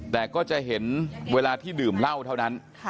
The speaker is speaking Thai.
แต่ก็จะเห็นเวลาที่ดื่มเหล้าเท่านั้น